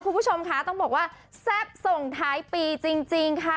คุณผู้ชมค่ะต้องบอกว่าแซ่บส่งท้ายปีจริงค่ะ